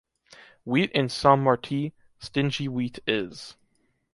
Wheat in Saint Martí, stingy wheat is.